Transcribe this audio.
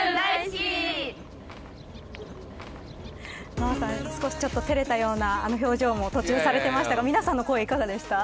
ＮＯＡさん少し照れたような表情も途中でされてましたが皆さんの声、いかがでしたか。